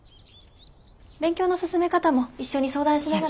勉強の進め方も一緒に相談しながら。